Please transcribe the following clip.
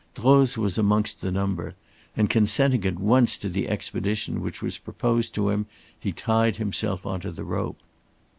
Droz was amongst the number, and consenting at once to the expedition which was proposed to him, he tied himself on to the rope.